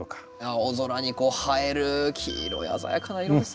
青空にこう映える黄色い鮮やかな色ですね。